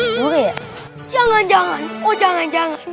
jauh ya jangan jangan oh jangan jangan